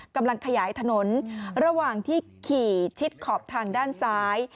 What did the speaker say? กำลังขยายถนนระหว่างที่ขี่ชิดขอบทางด้านซ้าย